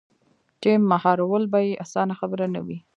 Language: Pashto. چـې مـهار ول بـه يـې اسـانه خبـره نـه وي.